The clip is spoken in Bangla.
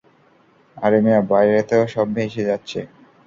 আরে মিয়া, বাইরে তো সব ভেসে যাচ্ছে!